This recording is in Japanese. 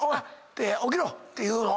起きろ！っていうのは。